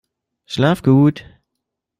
Schlaf gut!